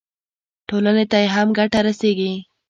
ټولنې ته یې هم ګټه رسېږي.